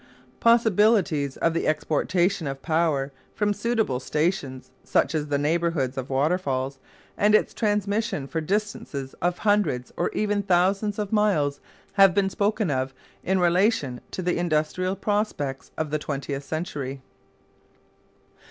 Possibilities of the exportation of power from suitable stations such as the neighbourhoods of waterfalls and its transmission for distances of hundreds or even thousands of miles have been spoken of in relation to the industrial prospects of the twentieth century.